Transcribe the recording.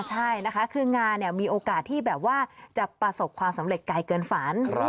ใช่นะคะคืองานมีโอกาสที่แบบว่าจะประสบความสำเร็จไกลเกินฝัน